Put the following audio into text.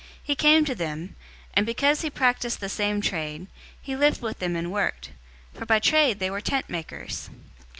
He came to them, 018:003 and because he practiced the same trade, he lived with them and worked, for by trade they were tent makers.